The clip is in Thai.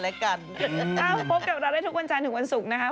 พบกันได้ทุกวันใจนถึงวันศุกร์